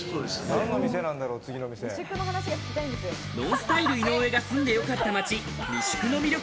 ＮＯＮＳＴＹＬＥ・井上が住んでよかった街、三宿の魅力。